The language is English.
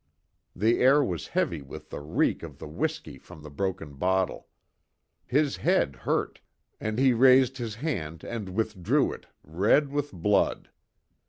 The air was heavy with the reek of the whiskey from the broken bottle. His head hurt, and he raised his hand and withdrew it red with blood.